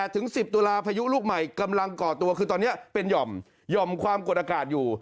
ถึง๑๐ตุลาพายุลูกใหม่กำลังก่อตัวคือตอนนี้เป็นหย่อมความกดอากาศอยู่